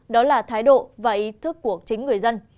đó là thái độ và ý thức của chính người dân